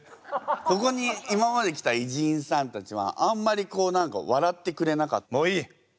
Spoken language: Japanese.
ここに今まで来た偉人さんたちはあんまりこう何か笑ってくれなかった。